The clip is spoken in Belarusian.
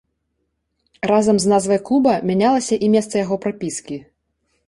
Разам з назвай клуба мянялася і месца яго прапіскі.